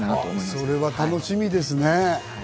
それは楽しみですね。